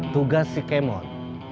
tugas si kemon